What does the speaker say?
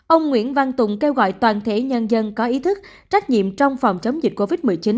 ông nguyễn văn tùng kêu gọi toàn thể nhân dân có ý thức trách nhiệm trong phòng chống dịch covid một mươi chín